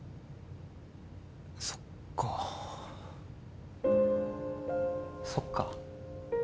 そっかそっか？